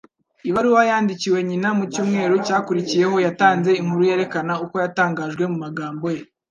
Ibaruwa yandikiwe nyina mu cyumweru cyakurikiyeho yatanze inkuru yerekana uko yatangajwe mu magambo ye: